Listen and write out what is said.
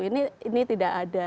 ini ini tidak ada